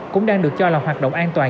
cũng đang được cho là hoạt động an toàn